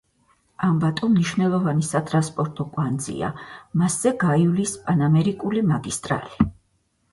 ამბატო მნიშვნელოვანი სატრანსპორტო კვანძია, მასზე გაივლის პანამერიკული მაგისტრალი.